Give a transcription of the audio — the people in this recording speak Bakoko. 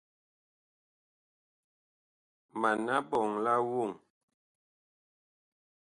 Mana ɓɔŋ nɛ laa woŋ ?